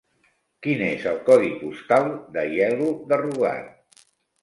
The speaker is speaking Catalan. Quin és el codi postal d'Aielo de Rugat?